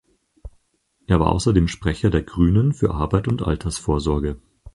Er war außerdem Sprecher der Grünen für Arbeit und Altersvorsorge.